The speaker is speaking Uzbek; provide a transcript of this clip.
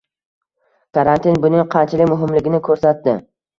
Karantin buning qanchalik muhimligini ko'rsatdi